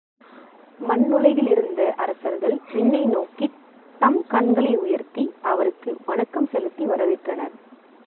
மண்ணுலகிலிருந்த அரசர்கள் விண்ணை நோக்கித் தம் கண்களை உயர்த்தி அவருக்கு வணக்கம் செலுத்தி வரவேற்றனர்.